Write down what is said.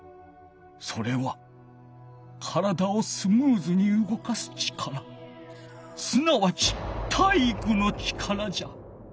それは体をスムーズにうごかす力すなわち体育の力じゃ！